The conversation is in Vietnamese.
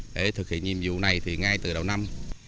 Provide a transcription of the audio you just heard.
để thực hiện nhiệm vụ này thì ngay từ đầu năm